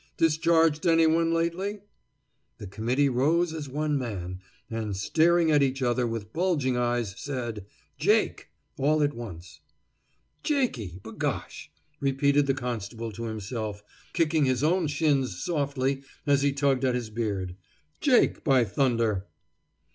"Discharged any one lately?" The committee rose as one man, and, staring at each other with bulging eyes, said "Jake!" all at once. "Jakey, b' gosh!" repeated the constable to himself, kicking his own shins softly as he tugged at his beard. "Jake, by thunder!"